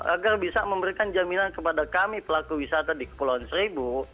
agar bisa memberikan jaminan kepada kami pelaku wisata di kepulauan seribu